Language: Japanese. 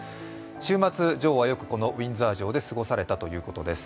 週末、女王はよくこのウィンザー城で過ごされたということです。